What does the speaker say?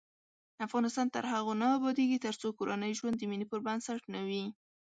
افغانستان تر هغو نه ابادیږي، ترڅو کورنی ژوند د مینې پر بنسټ نه وي.